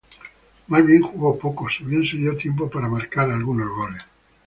Más bien jugó poco, si bien se dio tiempo para marcar algunos goles.